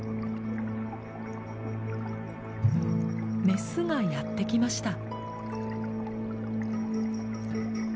メスがやって来ました。